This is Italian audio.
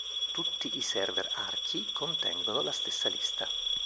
Tutti i server Archie contengono la stessa lista.